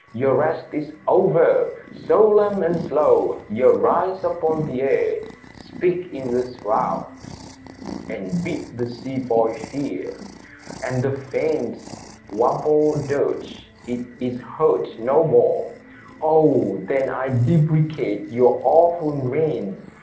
your rest is o'er, Solemn and slow, ye rise upon the air, Speak in the shrouds, and bid the sea boy fear, And the faint warbled dirge—is heard no more! Oh! then I deprecate your awful reign!